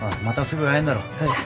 そうじゃ。